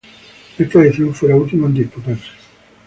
Esta edición fue la última en disputarse.